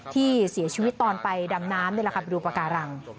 ที่เสียชีวิตตอนไปดำน้ำนี่แหละค่ะไปดูปากการัง